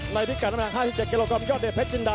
ในพริกการทาง๕๗กิโลกรัมยอดเด็ดเพชรจินดา